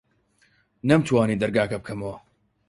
نەمتوانی دەرگاکە بکەمەوە.